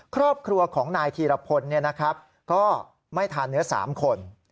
ครอบครัวของนายขีระพลเนี่ยนะครับก็ไม่ทานเนื้อ๓คน